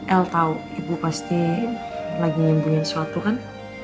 el tau ibu pasti lagi nyembunyin suatu kan